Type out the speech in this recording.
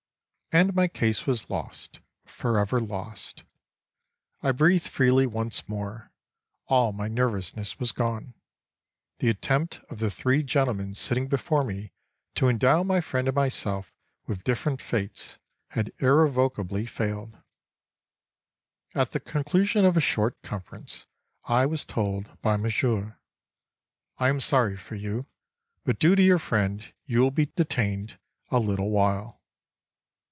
And my case was lost, forever lost. I breathed freely once more. All my nervousness was gone. The attempt of the three gentlemen sitting before me to endow my friend and myself with different fates had irrevocably failed. At the conclusion of a short conference I was told by Monsieur: "I am sorry for you, but due to your friend you will be detained a little while."